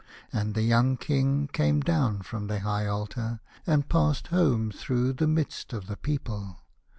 And the young King came down from the high altar, and passed home through the midst of the people.